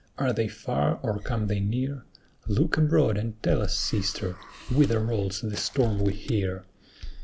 are they far or come they near? Look abroad, and tell us, sister, whither rolls the storm we hear.